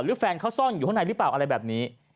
แฟนเขาซ่อนอยู่ข้างในหรือเปล่าอะไรแบบนี้